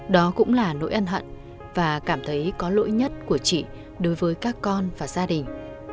đó cũng là nỗi ân hận và cảm thấy có lỗi nhất của chị đối với các con và gia đình